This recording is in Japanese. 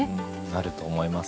なると思います。